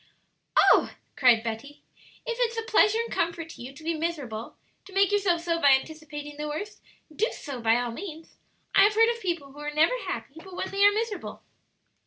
"Oh," cried Betty, "if it's a pleasure and comfort to you to be miserable to make yourself so by anticipating the worst do so by all means. I have heard of people who are never happy but when they are miserable."